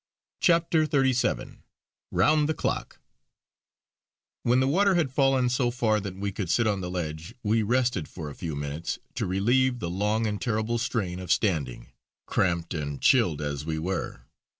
CHAPTER XXXVII ROUND THE CLOCK When the water had fallen so far that we could sit on the ledge, we rested for a few minutes to relieve the long and terrible strain of standing, cramped and chilled as we were.